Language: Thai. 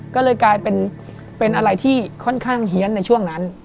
ก็เลยกลายเป็นอะไรที่ค่อนข้างเฮียนในช่วงนั้น